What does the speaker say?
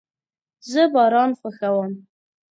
زه باران خوښوم